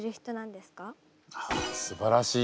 あっすばらしい。